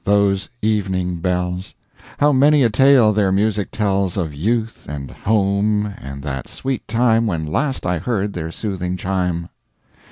those evening bells! How many a tale their music tells Of youth, and home, and that sweet time When last I heard their soothing chime.